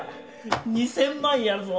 ２０００万やるぞ！